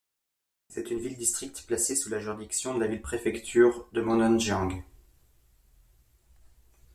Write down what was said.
C'est une ville-district placée sous la juridiction de la ville-préfecture de Mudanjiang.